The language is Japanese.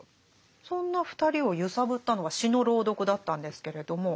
そんな２人を揺さぶったのが詩の朗読だったんですけれども。